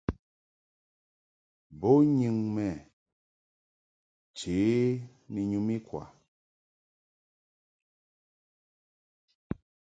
Bo nyɨŋ mɛ nche ni nyum ikwa.